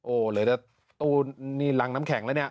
โอ้เลยละตู้นี่รังน้ำแข็งแล้วเนี่ย